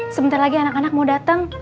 sebentar lagi anak anak mau datang